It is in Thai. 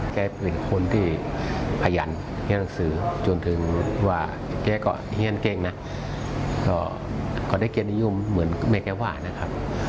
แกเป็นคนที่ขยันเรียนหนังสือจนถึงว่าแกก็เฮียนเก่งนะก็ได้เกียรตินิยมเหมือนแม่แกว่านะครับ